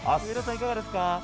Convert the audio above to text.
いかがですか？